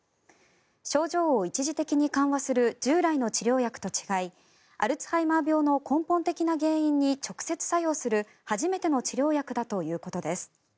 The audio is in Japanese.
症状を一時的に緩和する従来の治療薬と違いアルツハイマー病の根本的な原因に直接作用する初めての治療薬だということです。